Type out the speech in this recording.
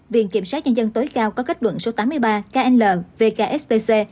viện kiểm soát nhân dân tối cao có kết luận số tám mươi ba kl vkstc